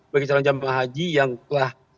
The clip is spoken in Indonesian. bagi calon jemaah haji yang telah